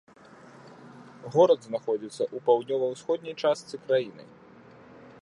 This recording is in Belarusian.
Горад знаходзіцца ў паўднёва-ўсходняй частцы краіны.